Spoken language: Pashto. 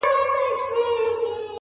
• نه یې ږغ سو د چا غوږ ته رسېدلای -